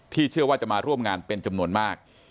เชื่อว่าจะมาร่วมงานเป็นจำนวนมาก